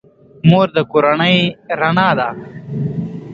مور د کورنۍ رڼا ده.